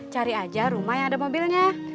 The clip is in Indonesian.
cari aja rumah yang ada mobilnya